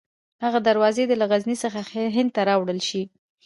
هغه دروازې دې له غزني څخه هند ته راوړل شي.